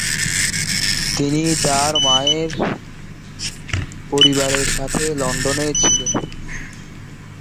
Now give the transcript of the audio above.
তিনি তার মায়ের পরিবারের সাথে লন্ডনে ছিলেন।